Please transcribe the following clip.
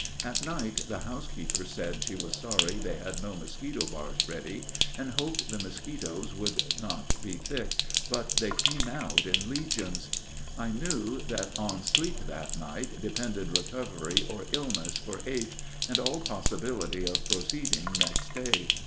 At night the housekeeper said she was sorry they had no mosquito bars ready, and hoped the mosquitos would not be thick, but they came out in legions. I knew that on sleep that night depended recovery or illness for H., and all possibility of proceeding next day.